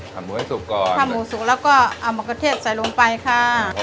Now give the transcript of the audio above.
ผัดหมูให้สุกก่อนแล้วก็เอามะเขือเทศใส่ลงไปค่ะ